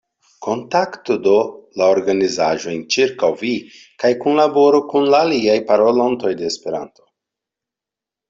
Kontaktu, do, la organizaĵojn ĉirkaŭ vi kaj kunlaboru kun la aliaj parolantoj de Esperanto.